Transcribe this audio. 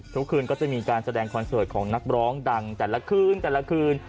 ทุกคืนก็จะมีการแสดงคอนเสิร์ตของนักร้องดังแต่ละคืนแต่ละคืน